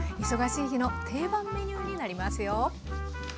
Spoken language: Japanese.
忙しい日の定番メニューになりますよ。